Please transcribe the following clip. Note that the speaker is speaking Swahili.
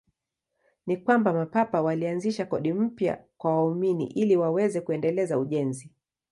Ni kwamba Mapapa walianzisha kodi mpya kwa waumini ili waweze kuendeleza ujenzi.